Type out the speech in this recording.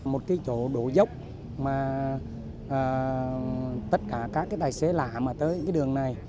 một cái chỗ đổ dốc mà tất cả các cái tài xế lạ mà tới cái đường này